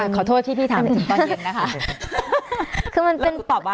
ขอโทษที่พี่ถามถึงตอนเย็นนะคะ